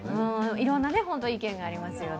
いろんな意見がありますよね。